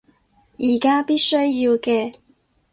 而家必須要嘅